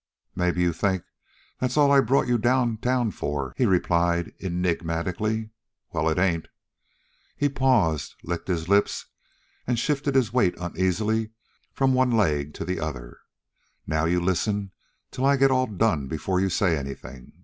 "Maybe you think that's all I brought you down town for," he replied enigmatically. "Well, it ain't." He paused, licked his lips, and shifted his weight uneasily from one leg to the other. "Now you listen till I get all done before you say anything.